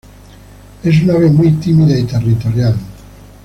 Es un ave muy tímida y territorial.